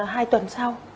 hai tuần sau